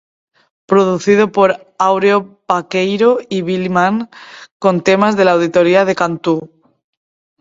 Producido por Áureo Baqueiro y Billy Mann, con temas de la autoría de Cantú.